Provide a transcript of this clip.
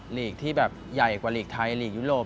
ลีกที่แบบใหญ่กว่าหลีกไทยลีกยุโรป